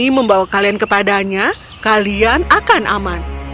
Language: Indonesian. kami membawa kalian kepadanya kalian akan aman